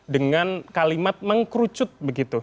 dengan kalimat mengkrucut begitu